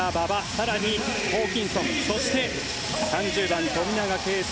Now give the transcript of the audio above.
更に、ホーキンソンそして３０番、富永啓生